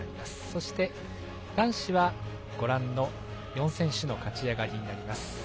そして、男子はご覧の４選手の勝ち上がりになります。